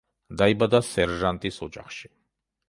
დაიბადა სერჟანტის ოჯახში.